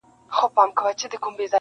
یار نښانه د کندهار راوړې و یې ګورئ,